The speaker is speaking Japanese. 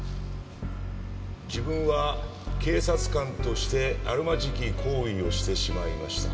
「自分は警察官としてあるまじき行為をしてしまいました」